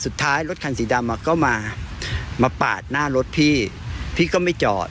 สุดท้ายรถคันสีดำอ่ะก็มามาปาดหน้ารถพี่พี่ก็ไม่จอด